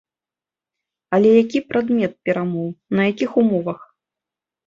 Але які прадмет перамоў, на якіх умовах?